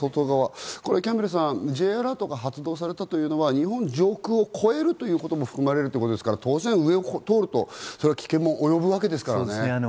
キャンベルさん、Ｊアラートが発動されたというのは日本上空を越えるということも含まれるということですから、当然上を通ると危険も及ぶわけですからね。